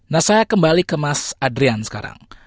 nah saya kembali ke mas adrian sekarang